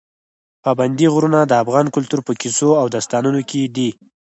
پابندي غرونه د افغان کلتور په کیسو او داستانونو کې دي.